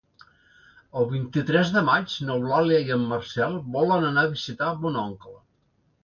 El vint-i-tres de maig n'Eulàlia i en Marcel volen anar a visitar mon oncle.